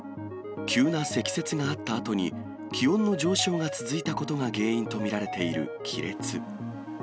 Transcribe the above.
急な積雪があったあとに、気温の上昇が続いたことが原因と見られている亀裂。